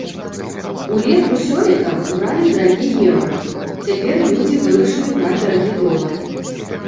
Улетку сёлета бралі дарагі еўра, цяпер людзі вырашылі браць дарагі долар.